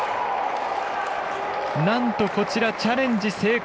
なんと、こちらチャレンジ成功！